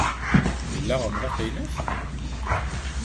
Yella umḍiq i nekk?